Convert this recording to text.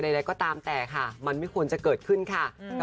นี่คือเป็นเพลงใช่ไหม